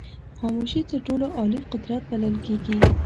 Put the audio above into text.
خاموشي تر ټولو عالي قدرت بلل کېږي.